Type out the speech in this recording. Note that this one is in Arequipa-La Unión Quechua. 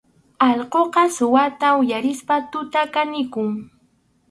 Allquqa suwata uyarispaqa tuta kanikun.